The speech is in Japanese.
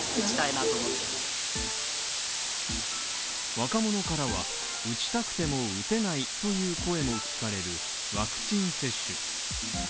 若者からは、打ちたくても打てないという声も聞かれる、ワクチン接種。